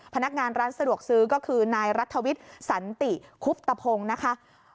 พนักงานร้านสะดวกซื้อก็คือนายรัฐวิทย์สันติคุบตะพงศ์นะคะ